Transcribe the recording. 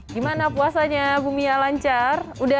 gimana puasanya bu mia lancar